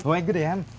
thôi anh cứ để em